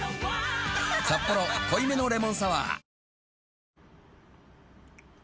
「サッポロ濃いめのレモンサワー」